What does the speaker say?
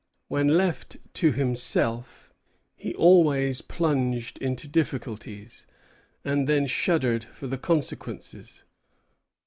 When left to himself, he always plunged into difficulties, and then shuddered for the consequences."